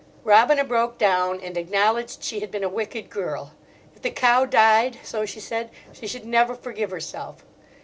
Robina broke down, and acknowledged she had been a wicked girl. If the cow died, so she said, she should never forgive herself.